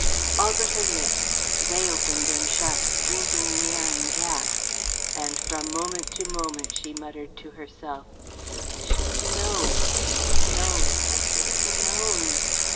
All but her lips they opened and shut, drinking the air in gasps, and from moment to moment she muttered to herself, "I should have known! I should have known! I should have known!"